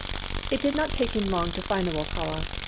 It did not take him long to find the Wokala.